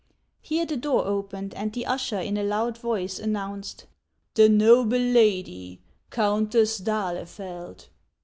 Here the door opened, and the usher in a loud voice announced, "The noble lady, Countess d'Ahlefeld."